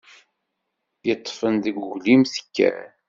Yeṭṭefen deg uglim tekker.